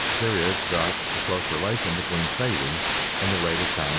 There is thus a close relation between saving and the rate of time discount.